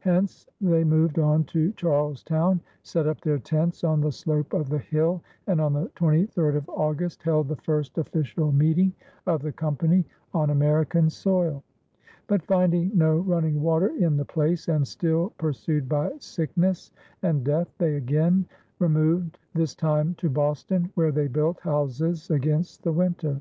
Hence they moved on to Charlestown, set up their tents on the slope of the hill, and on the 23rd of August, held the first official meeting of the company on American soil; but finding no running water in the place and still pursued by sickness and death, they again removed, this time to Boston, where they built houses against the winter.